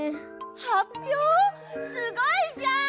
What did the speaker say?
すごいじゃん！